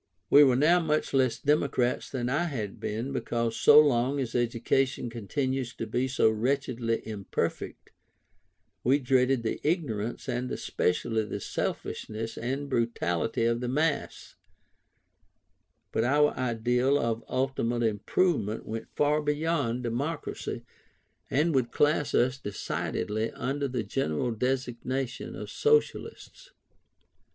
We were now much less democrats than I had been, because so long as education continues to be so wretchedly imperfect, we dreaded the ignorance and especially the selfishness and brutality of the mass: but our ideal of ultimate improvement went far beyond Democracy, and would class us decidedly under the general designation of Socialists.